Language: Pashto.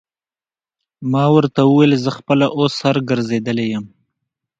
ما ورته وویل: زه خپله اوس سر ګرځېدلی یم.